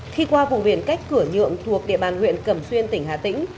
khi qua vùng biển cách cửa nhượng thuộc địa bàn huyện cẩm xuyên tỉnh hà tĩnh